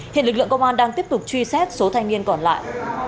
hiện lực lượng công an đang tiếp tục truy xét số thanh niên còn lại